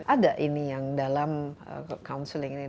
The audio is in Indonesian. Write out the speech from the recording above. ada ini yang dalam counseling ini